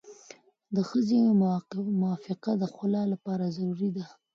د ښځې موافقه د خلع لپاره ضروري ده.